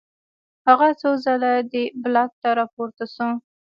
هغه څو ځله دې بلاک ته راپورته شو